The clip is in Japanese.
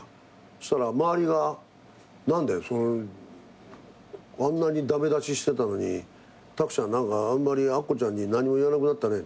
そしたら周りが「何だよあんなに駄目出ししてたのに卓ちゃん何かあんまりあっこちゃんに何も言わなくなったね」